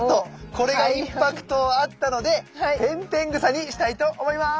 これがインパクトあったのでペンペングサにしたいと思います。